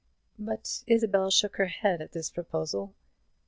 But Isabel shook her head at this proposal.